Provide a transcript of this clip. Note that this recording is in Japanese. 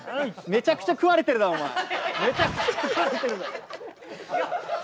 めちゃくちゃ食われてるな、お前。